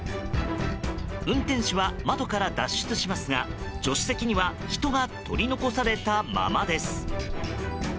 運転手は窓から脱出しますが助手席には人が取り残されたままです。